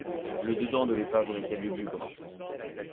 Le dedans de l’épave était lugubre.